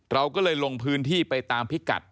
เราก็เลยลงพื้นที่ไปตามพิกัด